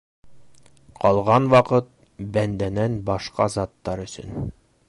Ҡалған ваҡыт - бәндәнән башҡа заттар өсөн...